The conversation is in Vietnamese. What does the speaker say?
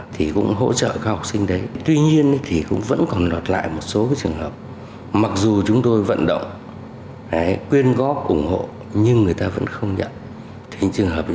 thì những trường hợp chúng tôi phải chấp nhận